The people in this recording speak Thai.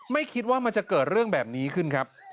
ไม่คิดว่ามันจะเกิดเรื่องแบบนี้ขึ้นครับ